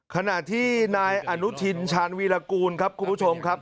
ขณะที่นายอนุทินชาญวีรกูลครับคุณผู้ชมครับ